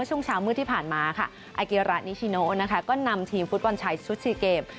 ช่วงเช้าเมื่อที่ผ่านมาก็นำทีมฟุตบอลชาย๊ชุดซีเกม